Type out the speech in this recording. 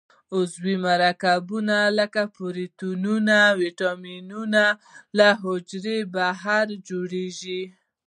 عضوي مرکبات لکه پروټینونه او وېټامینونه له حجرې بهر جوړیږي.